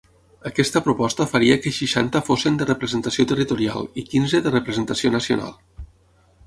Aquesta proposta faria que seixanta fossin de representació territorial i quinze de representació nacional.